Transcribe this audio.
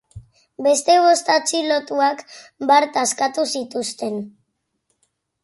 Beste bost atxilotuak bart askatu zituzten.